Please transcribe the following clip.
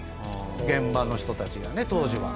現場の人たちがね当時は。